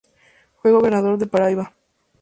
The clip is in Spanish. Fue Gobernador de Paraíba.